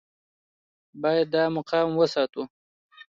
باید دا مقام وساتو.